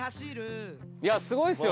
いやすごいですよ！